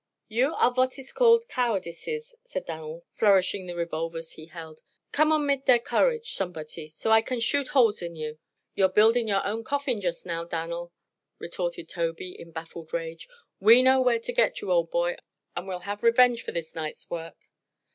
"You are vot iss called cowardices," said Dan'l, flourishing the revolvers he held. "Come on mit der courage, somebotty, so I can shoot holes in you." "You're building your own coffin just now, Dan'l," retorted Tobey, in baffled rage. "We know where to get you, old boy, and we'll have revenge for this night's work."